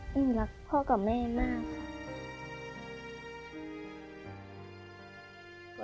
หนูรักพ่อกับแม่มากค่ะ